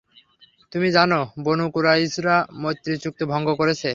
তুমি জান যে, বনু কুরাইযা মৈত্রীচুক্তি ভঙ্গ করেছে।